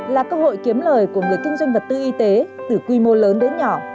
là cơ hội kiếm lời của người kinh doanh vật tư y tế từ quy mô lớn đến nhỏ